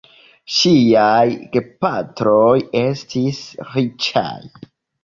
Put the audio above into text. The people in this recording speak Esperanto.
Ŝiaj gepatroj estis riĉaj.